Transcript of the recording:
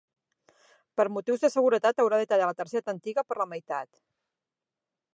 Per motius de seguretat haurà de tallar la targeta antiga per la meitat.